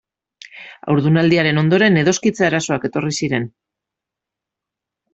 Haurdunaldiaren ondoren edoskitze arazoak etorri ziren.